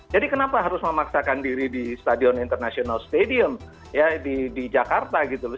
jadi kenapa harus memaksakan diri di stadion international stadium di jakarta gitu loh